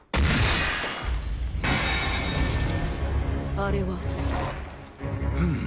あれは。